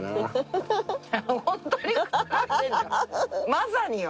まさによ！